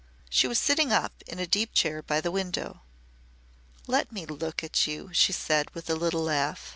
She was sitting up in a deep chair by the window. "Let me look at you," she said with a little laugh.